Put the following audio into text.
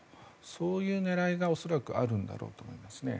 そういう狙いが恐らくあるんだろうと思いますね。